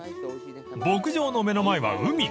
［牧場の目の前は海］